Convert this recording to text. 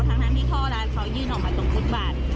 ทั้งที่ท่อร้านเขายื่นออกมาตรงฟุตบาท